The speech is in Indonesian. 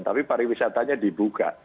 tapi pariwisatanya dibuka